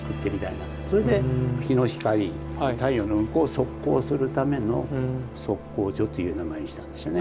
それで日の光太陽の運行を測候するための測候所という名前にしたんですよね。